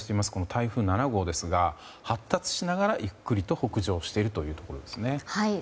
台風７号ですが発達しながらゆっくりと北上しているということですね。